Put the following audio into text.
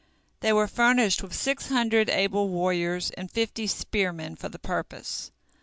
They were furnished with six hundred able warriors and fifty spearmen for the purpose.